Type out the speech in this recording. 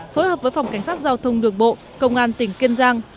phối hợp với phòng cảnh sát giao thông đường bộ công an tỉnh kiên giang